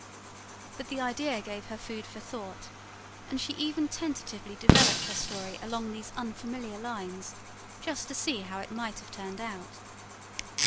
But the idea gave her food for thought; and she even tentatively developed her story along these unfamiliar lines, just to see how it might have turned out.